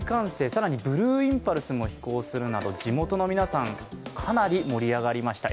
更にブルーインパルスも飛行するなど地元の皆さん、かなり盛り上がりました。